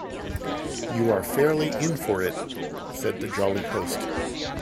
‘You are fairly in for it,’ said the jolly host.